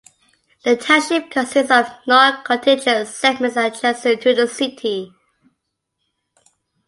The township consists of non-contiguous segments adjacent to the city.